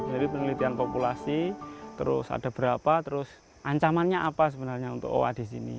jadi penelitian populasi terus ada berapa terus ancamannya apa sebenarnya untuk owa di sini